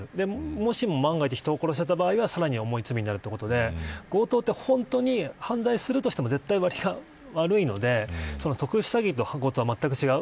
もしも万が一人を殺した場合は重い罪になるということで強盗は本当に犯罪するとしても割が悪いので特殊詐欺とはまったく違う。